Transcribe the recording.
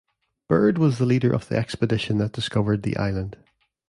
Byrd was the leader of the expedition that discovered the island.